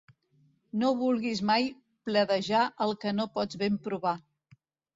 No vulguis mai pledejar el que no pots ben provar.